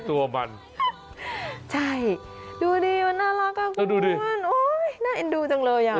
ตัวมันใช่ดูดิมันน่ารักอ่ะดูดิมันโอ้ยน่าเอ็นดูจังเลยอ่ะ